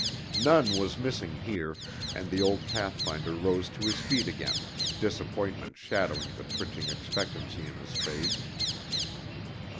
None was missing here, and the old pathfinder rose to his feet again, disappointment shadowing the twitching expectancy in his face.